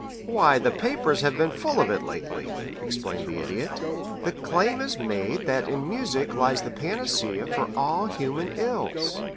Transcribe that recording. "Why, the papers have been full of it lately," explained the Idiot. "The claim is made that in music lies the panacea for all human ills.